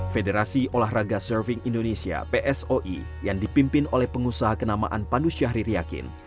federasi olahraga surfing indonesia yang dipimpin oleh pengusaha kenamaan pandus syahririakin